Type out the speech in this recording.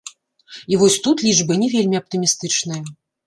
І вось тут лічбы не вельмі аптымістычныя.